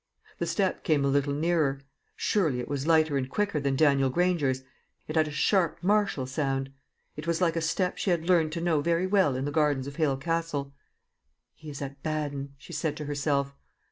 The step came a little nearer. Surely it was lighter and quicker than Daniel Granger's it had a sharp martial sound; it was like a step she had learned to know very well in the gardens of Hale Castle. "He is at Baden," she said to herself.